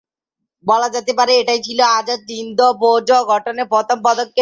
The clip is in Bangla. বলা যেতে পারে এটাই ছিল আজাদ হিন্দ ফৌজ গঠনের প্রথম পদক্ষেপ।